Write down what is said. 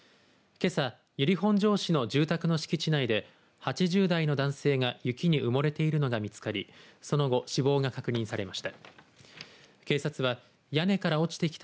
けさ、由利本荘市の住宅の敷地内で８０代の男性が雪に埋もれているのが見つかりその後、死亡が確認されました。